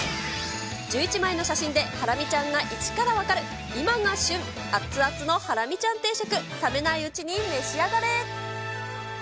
１１枚の写真で、ハラミちゃんが一から分かる、今が旬、熱々のハラミちゃん定食、冷めないうちに召し上がれ。